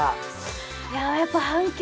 いややっぱ反響